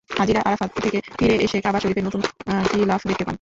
হাজিরা আরাফাত থেকে ফিরে এসে কাবা শরিফের গায়ে নতুন গিলাফ দেখতে পান।